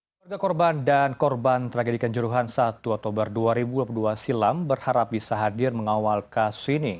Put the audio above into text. keluarga korban dan korban tragedikan juruhan satu oktober dua ribu dua puluh dua silam berharap bisa hadir mengawal kasus ini